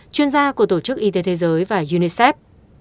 chuyên gia của tổ chức y tế thế giới và unicef